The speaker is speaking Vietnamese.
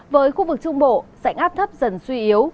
với khu vực trung bộ dạnh áp thấp dần suy yếu